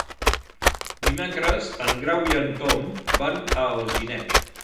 Dimecres en Grau i en Tom van a Alginet.